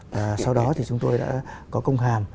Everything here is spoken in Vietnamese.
và sau đó thì chúng tôi đã có công hàm